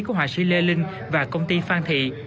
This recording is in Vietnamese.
của họa sĩ lê linh và công ty phan thị